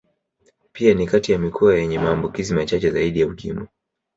Pia ni kati ya mikoa yenye maambukizi machache zaidi ya Ukimwi